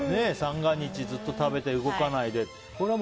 三が日ずっと食べて動かないでって。